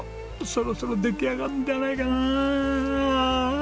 そろそろ出来上がるんじゃないかな？